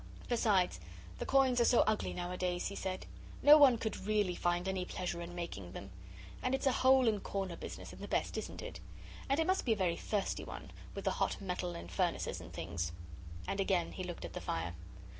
'Besides, the coins are so ugly nowadays,' he said, 'no one could really find any pleasure in making them. And it's a hole and corner business at the best, isn't it? and it must be a very thirsty one with the hot metal and furnaces and things.' And again he looked at the fire.